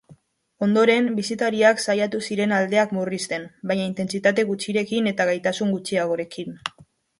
Ondoren bisitariak saiatu ziren aldeak murrizten, baina intentsitate gutxirekin eta gaitasun gutxiagorekin.